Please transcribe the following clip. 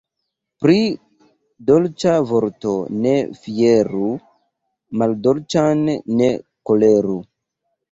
Pri dolĉa vorto ne fieru, maldolĉan ne koleru.